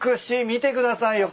見てくださいよ。